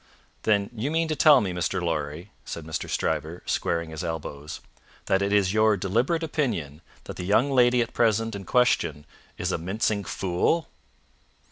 "Then you mean to tell me, Mr. Lorry," said Stryver, squaring his elbows, "that it is your deliberate opinion that the young lady at present in question is a mincing Fool?"